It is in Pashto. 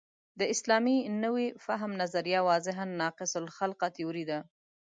د اسلامي نوي فهم نظریه واضحاً ناقص الخلقه تیوري ده.